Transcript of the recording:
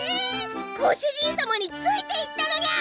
ご主人様についていったのニャ！